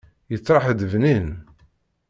Yettriḥ-d bnin.